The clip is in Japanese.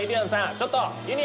ちょっと！